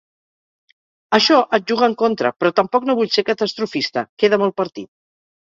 Això et juga en contra, però tampoc no vull ser catastrofista, queda molt partit.